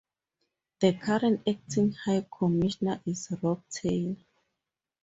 The current Acting High Commissioner is Rob Taylor.